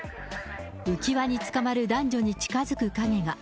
浮き輪につかまる男女に近づく影が。